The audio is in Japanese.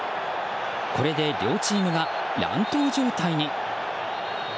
これで両チームが乱闘状態に。